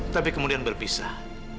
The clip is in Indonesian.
tapi kemudian berpisah